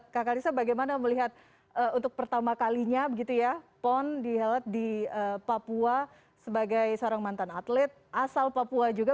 kak kalisa bagaimana melihat untuk pertama kalinya pon dihelat di papua sebagai seorang mantan atlet asal papua juga